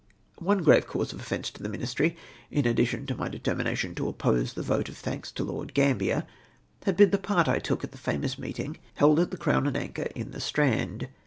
One grave cause of offence to the j\Iinistry, in ad dition to my determination to oppose the vote of thanks to Lord Gambler, had been the part I took at the famous meeting; held at the C*rown and Anchor in the Strand.